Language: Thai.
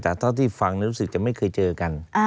แต่เท่าที่ฟังรู้สึกจะไม่เคยเจอกัน